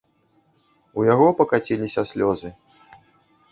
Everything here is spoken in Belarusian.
У яго пакаціліся слёзы.